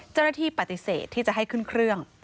เจ้าหน้าที่ปฏิเสธที่จะให้ขึ้นเครื่อง